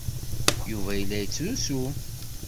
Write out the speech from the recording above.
Yuba yella yettrusu.